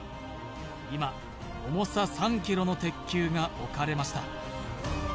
今重さ３ｋｇの鉄球が置かれました